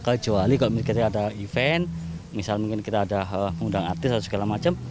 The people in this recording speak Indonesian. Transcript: kecuali kalau misalnya kita ada event misal mungkin kita ada mengundang artis atau segala macam